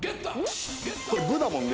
これ「ＢＵ」だもんね。